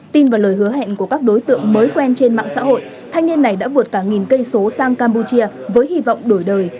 tin vào lời hứa hẹn của các đối tượng mới quen trên mạng xã hội thanh niên này đã vượt cả nghìn cây số sang campuchia với hy vọng đổi đời